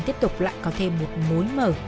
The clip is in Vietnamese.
tiếp tục lại có thêm một mối mở